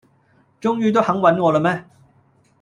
終於都肯搵我喇咩